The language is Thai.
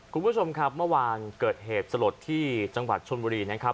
คุณผู้ชมครับเมื่อวานเกิดเหตุสลดที่จังหวัดชนบุรีนะครับ